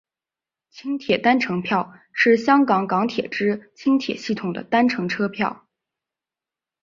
轻铁单程票是香港港铁之轻铁系统的单程车票。